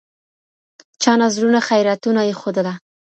چا نذرونه خیراتونه ایښودله